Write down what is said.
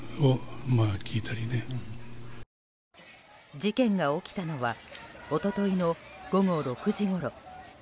事件が起きたのは一昨日の午後６時ごろ。